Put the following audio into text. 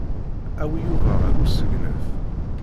Awi Yuba ɣer usegnaf.